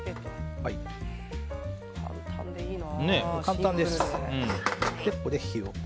簡単でいいな。